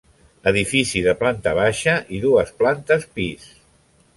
Edifici de planta baixa i dues plantes pis.